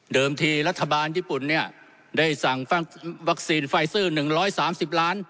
ทีรัฐบาลญี่ปุ่นเนี่ยได้สั่งวัคซีนไฟเซอร์๑๓๐ล้าน